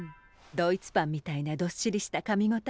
ドイツパンみたいなどっしりしたかみ応え。